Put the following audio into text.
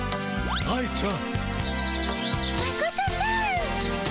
愛ちゃん。